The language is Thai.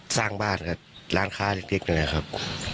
สร้างบ้านครับร้านค้าเล็กนะครับ